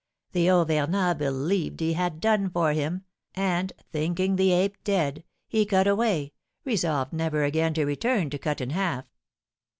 The Auvergnat believed he had done for him, and, thinking the ape dead, he cut away, resolved never again to return to Cut in Half.